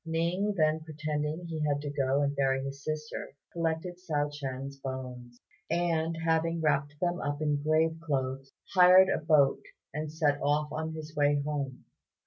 Ning then pretending he had to go and bury his sister, collected Hsiao ch'ien's bones, and, having wrapped them up in grave clothes, hired a boat, and set off on his way home.